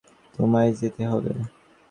তোমায় যেতে হবে।